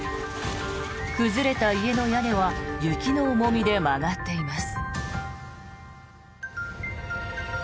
崩れた家の屋根は雪の重みで曲がっています。